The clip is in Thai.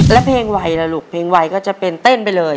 แล้วเพลงไวล่ะลูกเพลงไวก็จะเป็นเต้นไปเลย